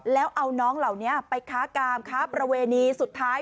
แล้วเอาน้องเหล่านี้ไปค้ากามค้าประเวณีสุดท้าย